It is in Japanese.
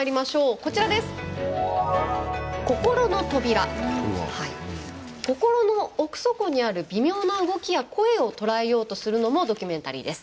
こころの奥底にある微妙な動きや声を捉えようとするのもドキュメンタリーです。